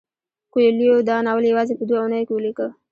کویلیو دا ناول یوازې په دوه اونیو کې ولیکه.